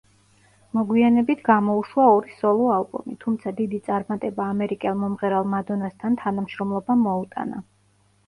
მოგვიანებით, გამოუშვა ორი სოლო ალბომი, თუმცა დიდი წარმატება ამერიკელ მომღერალ მადონასთან თანამშრომლობამ მოუტანა.